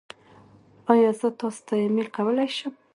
ایا زه تاسو ته ایمیل کولی شم؟